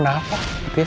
bu nawang kenapa